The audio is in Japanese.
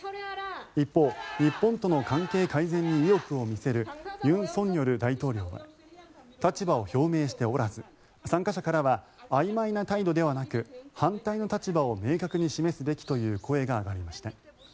一方、日本との関係改善に意欲を見せる尹錫悦大統領は立場を表明しておらず参加者からはあいまいな態度ではなく反対の立場を明確に示すべきという声が上がりました。